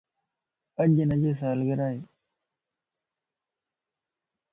اڄ ھنجي سالگره ائي